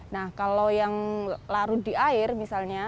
nah kalau yang larut di air misalnya